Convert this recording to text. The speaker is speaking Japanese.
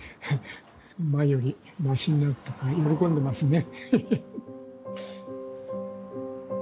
前よりマシになったから喜んでますね。